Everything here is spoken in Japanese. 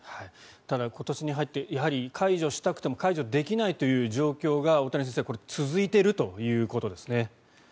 ただ今年に入ってやはり解除したくても解除できないという状況が大谷先生、これ続いているということですね。